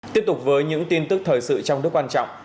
tiếp tục với những tin tức thời sự trong nước quan trọng